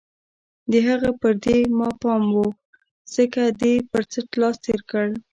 د هغه پر دې ما پام و، څنګه دې پر څټ لاس تېر کړ؟